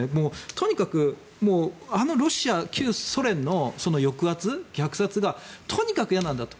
とにかくロシア、旧ソ連の抑圧、虐殺がとにかく嫌なんだと。